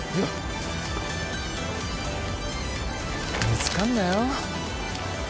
見つかんなよ。